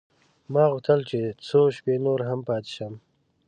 ما غوښتل چې څو شپې نور هم پاته شم.